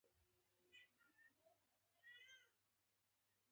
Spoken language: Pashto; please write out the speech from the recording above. اوبو تختې ته یو اوږد څرخ ورکړ.